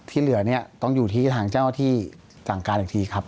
ที่เหลือต้องอยู่ที่ทางเจ้าที่จังการอีกทีครับ